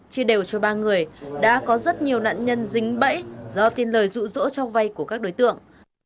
chia đều cho ba người đã có rất nhiều nạn nhân dính bẫy do tin lời rụ rỗ cho vay của các đối tượng